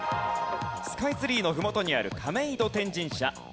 スカイツリーの麓にある亀戸天神社。